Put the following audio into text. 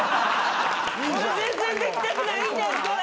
俺全然できたくないんですこれ。